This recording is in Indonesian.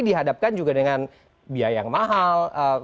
dihadapkan juga dengan biaya yang mahal